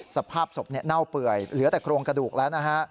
สภาพศพเน่าเปื่อยเหลือแต่โครงกระดูกแล้วนะฮะ